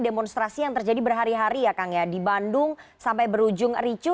demonstrasi yang terjadi berhari hari ya kang ya di bandung sampai berujung ricu